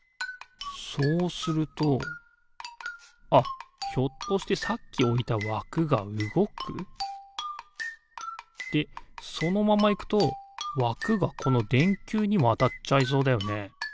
そうするとあっひょっとしてさっきおいたわくがうごく？でそのままいくとわくがこのでんきゅうにもあたっちゃいそうだよね。